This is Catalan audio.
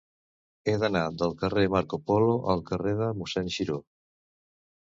He d'anar del carrer de Marco Polo al carrer de Mossèn Xiró.